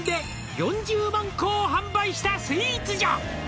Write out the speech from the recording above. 「４０万個を販売したスイーツじゃ」